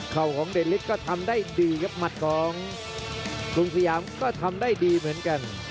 เข้าของเดลิสก็ทำได้ดีครับหมัดของคุณสยามก็ทำได้ดีเหมือนกัน